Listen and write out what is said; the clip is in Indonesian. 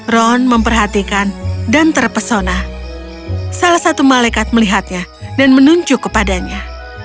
ron memperhatikan dan terpesona salah satu malaikat melihatnya dan menunjuk kepadanya